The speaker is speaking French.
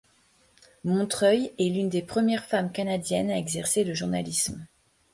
Montreuil est l'une des premières femmes canadiennes à exercer le journalisme.